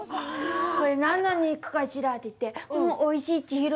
「これ何の肉かしら」って言って「おいしい、千尋。